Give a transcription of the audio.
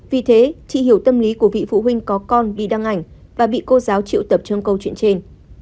vì thế chị hiểu tâm lý của vị phụ huynh có con đi đăng ảnh và bị cô giáo triệu tập trong câu chuyện trên